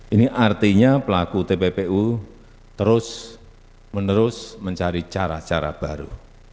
ini artinya pelaku tppu terus menerus mencari cara cara baru